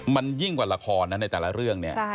มันยิ่งกว่าระครนั้นในแต่ละเรื่อง